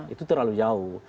itu terlalu jauh